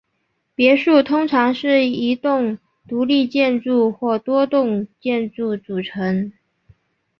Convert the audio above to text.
别墅通常是一栋独立建筑或多栋建筑组成。